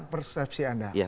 apa persepsi anda